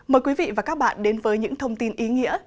mời quý vị và các bạn đến với những thông tin ý nghĩa